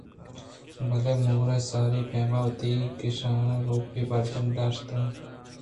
بلے مُورءَساری ءِ پیما وتی کشّاںٛ رُوپی برجم داشتگ اَت